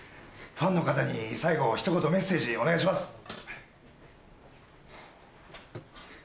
ファンの方に最後ひと言メッセージお願いします。